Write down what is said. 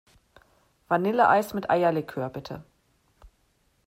Vanilleeis mit Eierlikör, bitte.